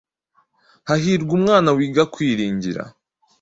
Hahirwa umwana wiga kwiringira,